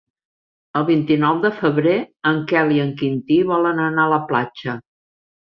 El vint-i-nou de febrer en Quel i en Quintí volen anar a la platja.